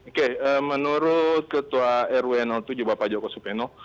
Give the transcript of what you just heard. oke menurut ketua rw tujuh bapak joko supeno